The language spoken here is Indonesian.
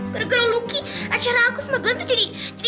guara guara luki acara aku sama glen tuh jadi